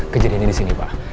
kejadiannya di sini pak